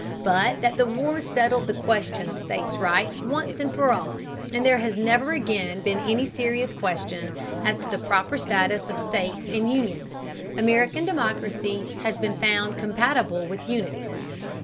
But that war settled the question of states' rights once and for all, and there has never again been any serious question as to the proper status of states and Union. American democracy has been found compatible with unity.